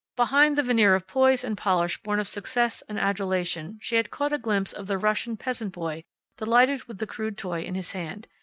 Behind the veneer of poise and polish born of success and adulation she had caught a glimpse of the Russian peasant boy delighted with the crude toy in his hand.